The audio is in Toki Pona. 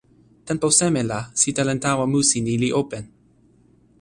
tenpo seme la sitelen tawa musi ni li open?